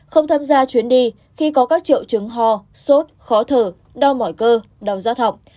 không tham gia chuyến đi khi có các triệu chứng ho sốt khó thở đau mỏi cơ đau rát học